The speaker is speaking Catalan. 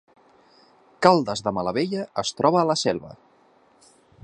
Caldes de Malavella es troba a la Selva